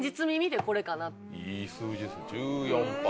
いい数字ですね１４％。